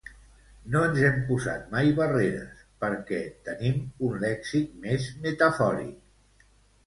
No ens hem posat mai barreres, perquè tenim un lèxic més metafòric.